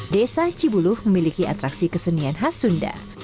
desa cibuluh memiliki atraksi kesenian khas sunda